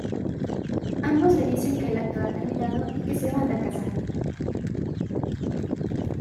Ambos le dicen que el acto ha terminado y que se van a casar.